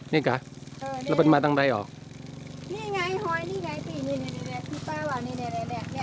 นี่ข่ะแล้วมันมาทั้งใดหรอ